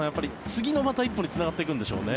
次のまた一歩につながっていくんでしょうね。